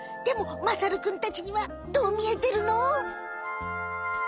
でもまさるくんたちにはどう見えてるの？